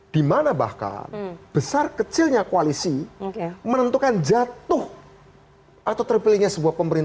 dimana bahkan besar kecilnya koalisi menentukan jatuh atau terpilihnya sebuah pemerintahan